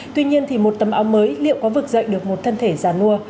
tuy nhiên thì một tấm áo mới liệu có vực dậy được một thân thể già nua